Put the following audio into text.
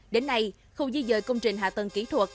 đến nay khu di dời công trình hạ tầng kỹ thuật